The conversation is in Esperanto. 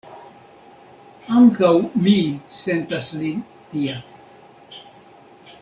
Ankaŭ mi sentas lin tia.